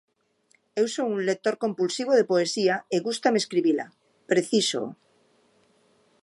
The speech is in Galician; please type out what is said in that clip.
Eu son un lector compulsivo de poesía e gústame escribila, precísoo.